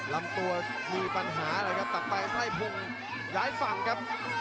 ลำตัวมีปัญหาอะไรครับต่างไปไส้พงย้ายฝั่งครับ